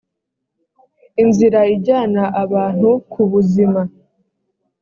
inzira ijyana abantu ku buzima